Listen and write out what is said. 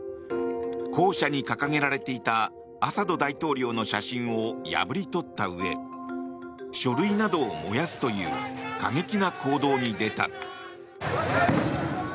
公舎に掲げられていたアサド大統領の写真を破り取ったうえ書類などを燃やすという過激な行動に出た。